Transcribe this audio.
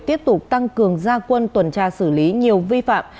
tiếp tục tăng cường gia quân tuần tra xử lý nhiều vi phạm